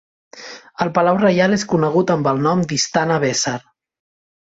El palau reial és conegut amb el nom d'"Istana Besar".